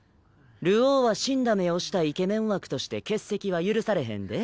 流鶯は死んだ目をしたイケメン枠として欠席は許されへんで。